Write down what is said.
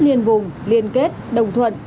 liên vùng liên kết đồng thuận